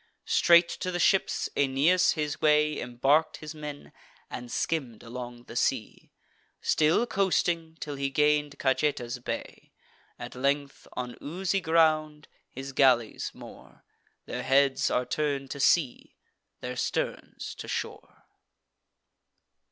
Straight to the ships Aeneas took his way, Embark'd his men, and skimm'd along the sea, Still coasting, till he gain'd Cajeta's bay. At length on oozy ground his galleys moor; Their heads are turn'd to sea, their sterns to shore.